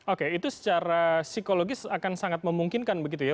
oke itu secara psikologis akan sangat memungkinkan begitu ya